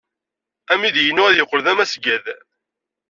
Amidi-inu ad yeqqel d amasgad.